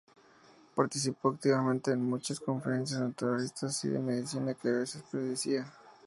Participó activamente en muchas conferencias naturalistas y de medicina, que a veces presidía.